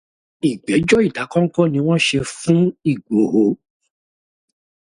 Ìgbẹ́jọ́ ìdákọ́ńkọ́ ni wọ́n ń ṣe fún Ìgbòho.